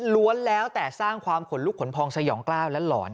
้วนแล้วแต่สร้างความขนลุกขนพองสยองกล้าวและหลอน